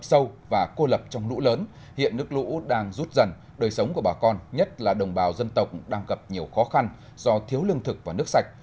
lũ sâu và cô lập trong lũ lớn hiện nước lũ đang rút dần đời sống của bà con nhất là đồng bào dân tộc đang gặp nhiều khó khăn do thiếu lương thực và nước sạch